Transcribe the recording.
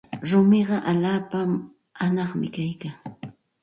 Rumiqa allaapa anam kaykan.